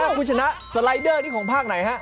เยอะนะคูยชนะสไลเดอร์นี้ของภาคไหนฮะ